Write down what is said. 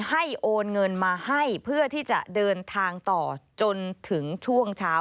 โอนเงินมาให้เพื่อที่จะเดินทางต่อจนถึงช่วงเช้า